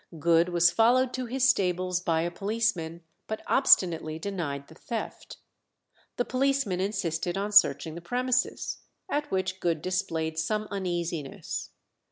Good was followed to his stables by a policeman, but obstinately denied the theft. The policeman insisted on searching the premises, at which Good displayed some uneasiness.